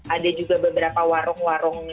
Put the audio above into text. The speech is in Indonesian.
ada juga beberapa warung warung